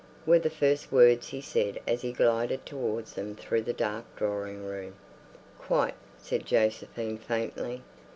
were the first words he said as he glided towards them through the dark drawing room. "Quite," said Josephine faintly.